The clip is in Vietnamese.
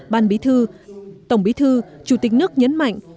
ban bí thư tổng bí thư chủ tịch nước nhấn mạnh